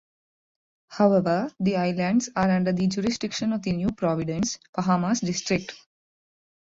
However, the islands are under the jurisdiction of the New Providence, Bahamas District.